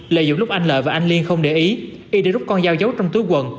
lợi dụng lúc anh lợi và anh liên không để ý y đã rút con dao giấu trong túi quần